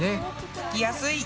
聞きやすい。